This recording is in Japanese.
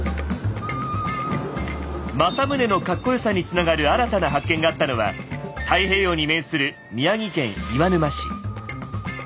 政宗のカッコよさにつながる新たな発見があったのは太平洋に面する宮城県岩沼市。